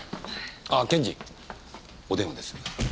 あっ検事お電話です。え？